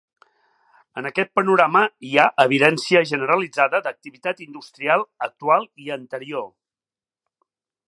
En aquest panorama hi ha evidència generalitzada d'activitat industrial actual i anterior.